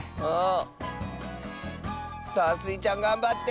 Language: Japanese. さあスイちゃんがんばって！